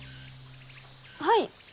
はい？